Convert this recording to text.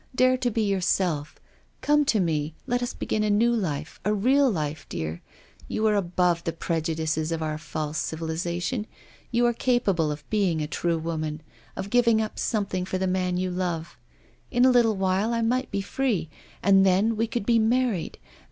Dare to be yourself. Come to me, let us be gin a new life, a real life, dear. You are above the prejudices of our false civilisation, you are capable of being a true woman, of giving up something for the man you love. IN WHICH CIVILISATION TRIUMPHS. 303 In a little while I should be free, and then we could be married.